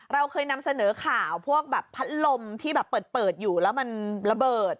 เราเคยนำเสนอข่าวพวกแบบพัดลมที่แบบเปิดอยู่แล้วมันระเบิด